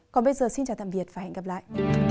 còn bây giờ xin chào tạm biệt và hẹn gặp lại